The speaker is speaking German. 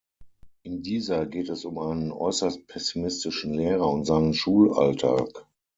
In dieser geht es um einen äußerst pessimistischen Lehrer und seinen Schulalltag.